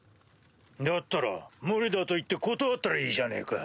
だったら「無理だ」と言って断ったらいいじゃねえか？